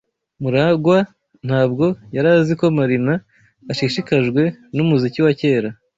MuragwA ntabwo yari azi ko Marina ashishikajwe numuziki wa kera.